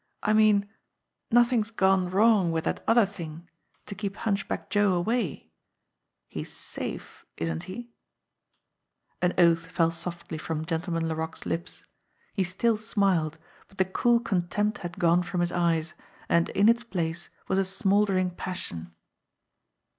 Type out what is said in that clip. "I mean nothing's gone wrong with that other thing to keep Hunchback. Joe away ? He's safe, isn't he ?" An oath fell softly from Gentleman Laroque's lips. He still smiled ; but the cool contempt had gone from his eyes, and in its place was a smouldering passion.